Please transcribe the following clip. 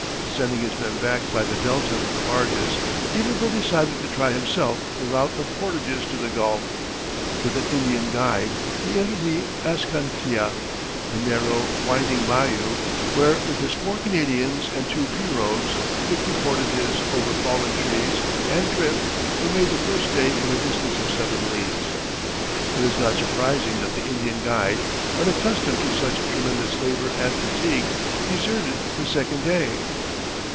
Sending his men back by the delta with the barges, Iberville decided to try himself the route of portages to the Gulf. With an Indian guide he entered the Ascantia, a narrow, winding bayou, where with his four Canadians and two pirogues fifty portages over fallen trees and drift were made the first day in a distance of seven leagues. It is not surprising that the Indian guide, unaccustomed to such tremendous labor and fatigue, deserted the second day.